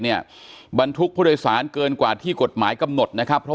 เนี่ยบรรทุกผู้โดยสารเกินกว่าที่กฎหมายกำหนดนะครับเพราะ